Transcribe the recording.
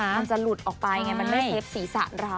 มันจะหลุดออกไปไงมันไม่เทปศีรษะเรา